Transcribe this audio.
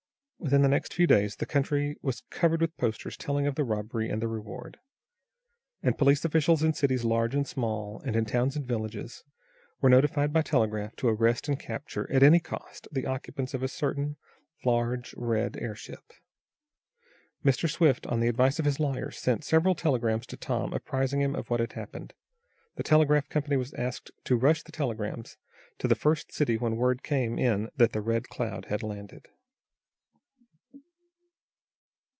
Within the next few days the country was covered with posters telling of the robbery and the reward, and police officials in cities large and small, and in towns and villages, were notified by telegraph to arrest and capture, at any cost the occupants of a certain large, red airship. Mr. Swift, on the advice of his lawyer, sent several telegrams to Tom, apprising him of what had happened. The telegraph company was asked to rush the telegrams to the first city when word came in that the Red Cloud had landed.